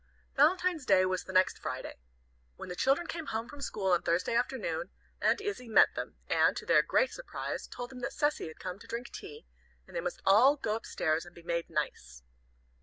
Valentine's Day was the next Friday. When the children came home from school on Thursday afternoon, Aunt Izzie met them, and, to their great surprise, told them that Cecy was come to drink tea, and they must all go up stairs and be made nice.